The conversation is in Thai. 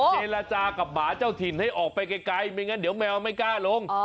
เจรจากับหมาเจ้าถิ่นให้ออกไปไกลไม่งั้นเดี๋ยวแมวไม่กล้าลง